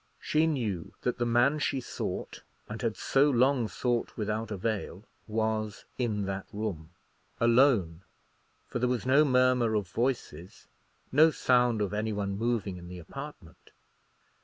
She knew that the man she sought, and had so long sought without avail, was in that room. Alone; for there was no murmur of voices, no sound of any one moving in the apartment.